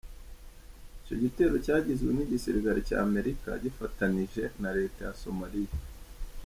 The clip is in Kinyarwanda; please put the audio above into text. Icyo gitero cyagizwe n’igisirikare cya Amerika gifatanije na Leta ya Somaliya.